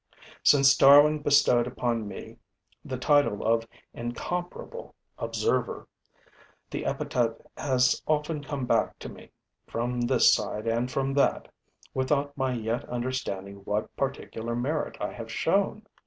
Since Darwin bestowed upon me the title of 'incomparable observer,' the epithet has often come back to me, from this side and from that, without my yet understanding what particular merit I have shown.